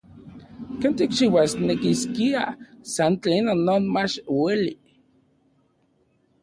Ken tikchiuasnekiskia san tlen non mach ueli.